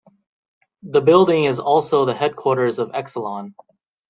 The building is also the headquarters of Exelon.